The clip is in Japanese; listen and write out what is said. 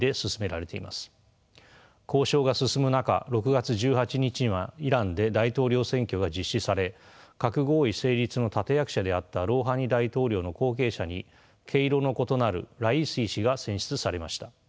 交渉が進む中６月１８日にはイランで大統領選挙が実施され核合意成立の立て役者であったロウハニ大統領の後継者に毛色の異なるライシ師が選出されました。